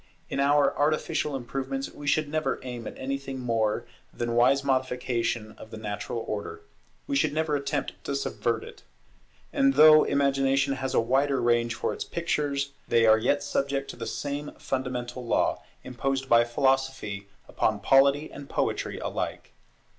In our artificial improvements we should never aim at anything more than wise modification of the natural order; we should never attempt to subvert it. And though Imagination has a wider range for its pictures, they are yet subject to the same fundamental law, imposed by Philosophy upon Polity and Poetry alike.